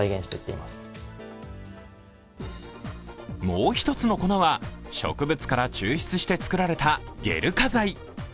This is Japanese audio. もう一つの粉は、植物から抽出して作られたゲル化剤。